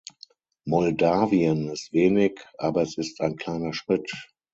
Moldawien ist wenig, aber es ist ein kleiner Schritt.